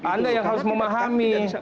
anda yang harus memahami